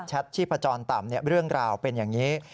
แชตชีพจรต่ำเนี่ยเรื่องราวเป็นอย่างนี้